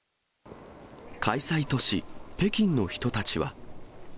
開催都市、北京の人たちは。